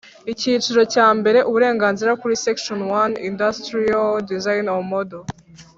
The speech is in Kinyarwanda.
Icyiciro cya mbere Uburenganzira ku Section one Industrial design or model